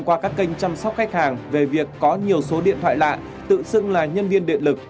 qua các kênh chăm sóc khách hàng về việc có nhiều số điện thoại lạ tự xưng là nhân viên điện lực